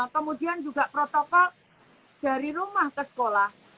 kemudian juga protokol dari rumah ke sekolah